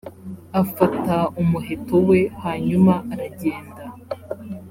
afata umuheto we hanyuma aragenda